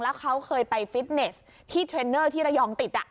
แล้วเขาเคยไปฟิตเนสที่เทรนเนอร์ที่ระยองติด